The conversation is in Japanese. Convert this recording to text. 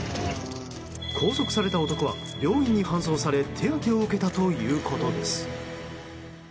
拘束された男は病院に搬送され手当てを受けたということです。